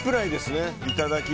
内いただき！